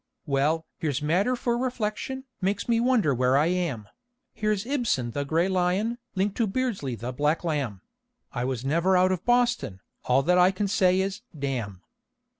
Well, here's matter for reflection, makes me wonder where I am. Here is Ibsen the gray lion, linked to Beardsley the black lamb. I was never out of Boston: all that I can say is, "Damn!"